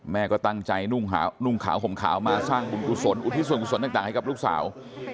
แม่ก็ตั้งใจนุ่งขาวห่มขาวมาสร้างบุญกุศลอุทิศส่วนกุศลต่างให้กับลูกสาว